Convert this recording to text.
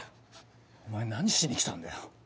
お前何しに来たんだよ？